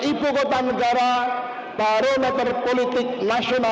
ibu kota negara baru lebih politik nasional